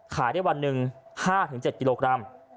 ขายได้วันหนึ่ง๕๗กิโลกรัม